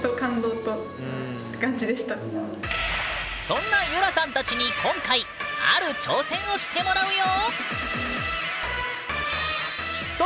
そんなゆらさんたちに今回ある挑戦をしてもらうよ！